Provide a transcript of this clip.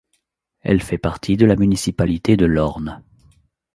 Elle fait partie de la municipalité de Lorne.